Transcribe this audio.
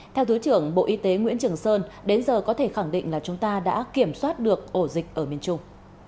theo thứ trưởng bộ y tế nguyễn trường sơn đến giờ có thể khẳng định là chúng ta đã kiểm soát được ổ dịch ở miền trung